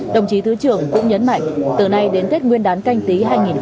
đồng chí thứ trưởng cũng nhấn mạnh từ nay đến tết nguyên đán canh tí hai nghìn hai mươi